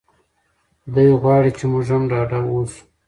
دی غواړي چې موږ هم ډاډه اوسو.